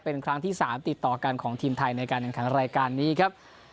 เป็นครั้งที่๓ติดต่อกันของทีมไทยในการแข่งขันรายการนี้ครับ